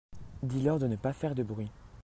Dis-leur de ne pas faire de bruit.